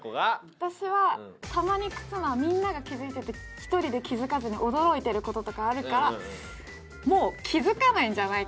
私はたまに忽那はみんなが気付いてて１人で気付かずに驚いてる事とかあるからもう気付かないんじゃないかなと思って。